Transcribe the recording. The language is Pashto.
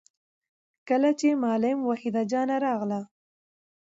کله چې معلم وحيده جانه راغله